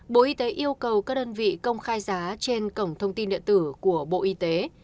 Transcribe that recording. bộ y tế yêu cầu các đơn vị công khai giá trên cổng thông tin điện tử của bộ y tế